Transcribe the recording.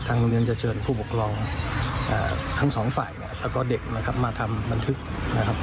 โรงเรียนจะเชิญผู้ปกครองทั้งสองฝ่ายเนี่ยแล้วก็เด็กนะครับมาทำบันทึกนะครับ